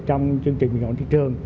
trong chương trình bình ổn thị trường